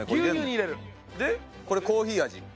これコーヒー味。